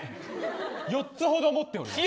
４つほど持っております